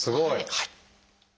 はい。